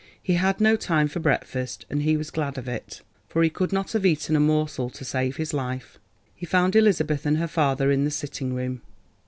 He had no time for breakfast, and he was glad of it, for he could not have eaten a morsel to save his life. He found Elizabeth and her father in the sitting room.